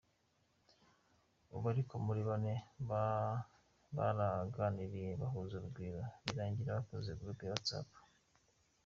Aba uko ari bane baraganiriye bahuza urugwiro, birangira bakoze groupe ya Whatsapp.